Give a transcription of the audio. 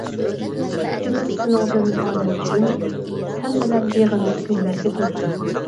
كۈتىمىز سېنىڭدىن ئالەمچە ئۈمىد، سەن بىلەن بېغىمىز گۈللەرگە تولسۇن.